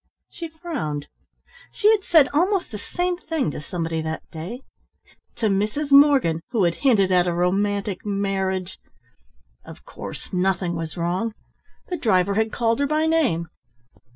She frowned. She had said almost the same thing to somebody that day to Mrs. Morgan, who had hinted at a romantic marriage. Of course, nothing was wrong. The driver had called her by name.